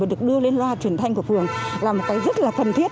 được đưa lên loa truyền thanh của phường là một cái rất là cần thiết